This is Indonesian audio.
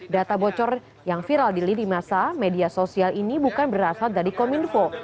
data bocor yang viral di lidi masa media sosial ini bukan berasal dari kominfo